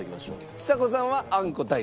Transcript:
ちさ子さんはあんこ大好き。